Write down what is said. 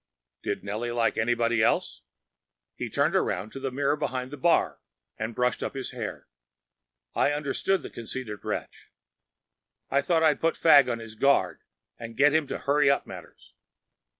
Did Nellie like anybody else? He turned round to the mirror behind the bar and brushed up his hair. I understood the conceited wretch. I thought l’d put Fagg on his guard, and get him to hurry up matters.